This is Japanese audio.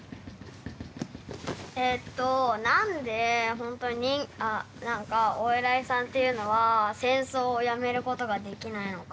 えと何でほんとに何かお偉いさんっていうのは戦争をやめることができないのか？